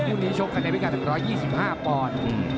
คู่นี้ชกกันในพิการ๑๒๕ปอนด์